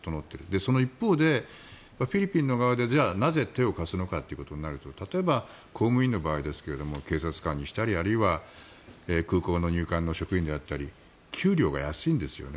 その一方でフィリピンの側でじゃあ、なぜ手を貸すのかということになると例えば公務員の場合ですが警察官にしたりあるいは空港の入管の職員であったり給料が安いんですよね。